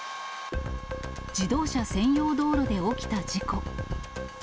自動車専用道路で起きた事故。